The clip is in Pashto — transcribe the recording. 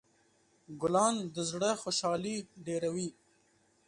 ګلان د زړه خوشحالي ډېروي.